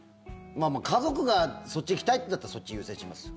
家族がそっち行きたいって言うんだったらそっち優先しますよ。